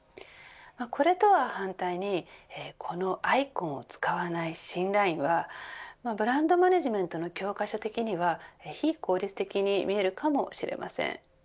これとは反対にこのアイコンを使わない新ラインはブランドマネジメントの教科書的には非効率的に見えるかもしれません。